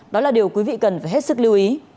đó là điều quý vị cần phải hết sức lưu ý